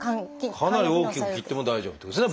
かなり大きく切っても大丈夫ってことですね